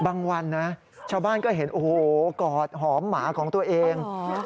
บางวันชาวบ้านจะเห็นกอดหอมหมาของตัวเอง